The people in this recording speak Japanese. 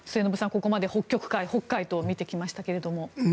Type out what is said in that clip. ここまで北極海、北海と見てきましたが。